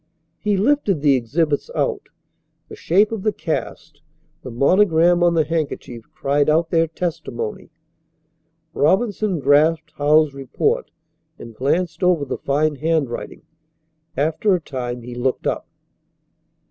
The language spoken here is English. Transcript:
He lifted the exhibits out. The shape of the cast, the monogram on the handkerchief cried out their testimony. Robinson grasped Howells's report and glanced over the fine handwriting. After a time he looked up.